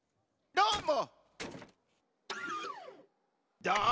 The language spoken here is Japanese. どーも。